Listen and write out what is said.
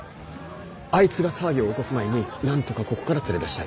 あいつが騒ぎを起こす前になんとかここから連れ出したい。